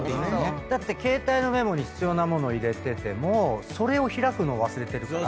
だって携帯のメモに必要なもの入れててもそれを開くのを忘れてるから。